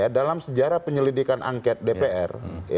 dalam sejarah penyelidikan angket dpr